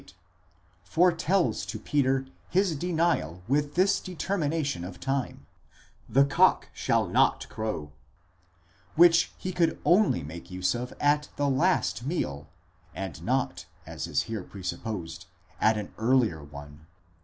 38) foretells to Peter his denial with this determination of time: οὐ μὴ ἀλέκτωρ φωνήσῃ, the cock shall not crow, which he could only make use of at the last meal, and not, as is here presupposed, at an earlier one.?